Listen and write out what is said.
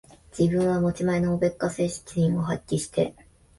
自分は持ち前のおべっか精神を発揮して、